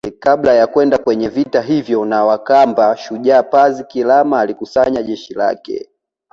Kabla ya kwenda kwenye vita hivyo na wakamba Shujaa Pazi Kilama alikusanya jeshi lake